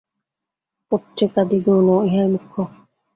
পত্রিকাদি গৌণ, ইহাই মুখ্য।